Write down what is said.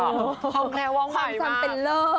ความแนว่องใหม่มากความซัมเป็นเล่า